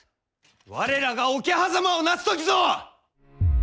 我らが桶狭間をなす時ぞ！